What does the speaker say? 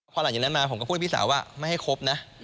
พอหลังจากนั้นมาผมก็พูดให้พี่สาวว่าไม่ให้ครบนะ